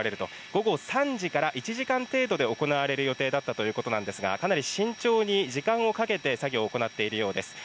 午後３時から１時間程度で行われる予定だったということなんですが、かなり慎重に時間をかけて、作業を行っているようです。